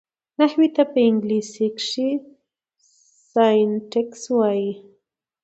نحوي ته په انګلېسي کښي Syntax وایي.